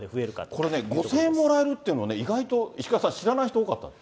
これね、５０００円もらえるって、意外と石川さん、知らない人多かった。